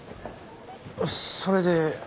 それで？